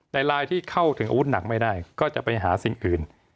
แต่ลายที่เข้าถึงอาวุธหนักไม่ได้ก็จะไปหาสิ่งอื่น